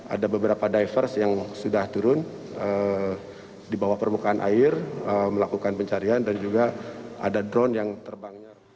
ada beberapa divers yang sudah turun di bawah permukaan air melakukan pencarian dan juga ada drone yang terbangnya